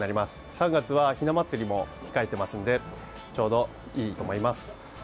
３月はひな祭りも控えていますのでちょうどいいと思います。